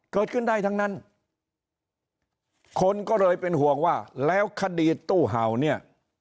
เกิดขึ้นได้ทั้งนั้นคนก็เลยเป็นห่วงว่าแล้วคดีตู้เห่าเนี่ย